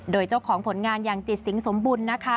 โดยเจ้าของผลงานอย่างจิตสิงสมบุญนะคะ